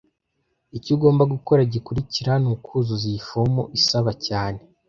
Icyo ugomba gukora gikurikira nukuzuza iyi fomu isaba cyane